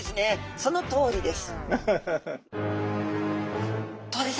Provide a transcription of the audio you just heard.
そのとりです。